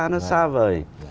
nó xa vời